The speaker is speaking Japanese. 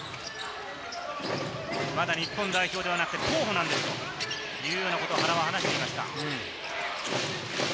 まだ日本代表ではなくて、候補なんですというようなことを原は話していました。